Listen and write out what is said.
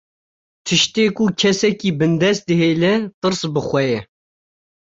Tiştê ku kesekî bindest dihêle, tirs bi xwe ye